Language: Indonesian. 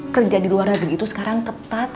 kerja di luar negeri itu sekarang ketat